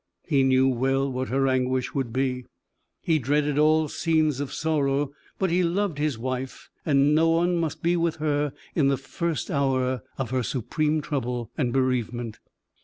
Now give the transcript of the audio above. He knew well what her anguish would be. He dreaded all scenes of sorrow, but he loved his wife, and no one must be with her in the first hour of her supreme trouble and bereavement.